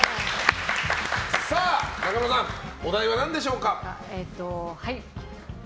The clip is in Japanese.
中村さん、お題は何でしょうか。